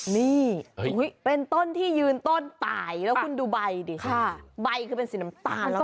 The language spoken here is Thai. นี่เป็นต้นที่ยืนต้นตายแล้วคุณดูใบดิใบคือเป็นสีน้ำตาลแล้ว